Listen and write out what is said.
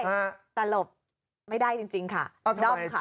แต่หลบไม่ได้จริงค่ะ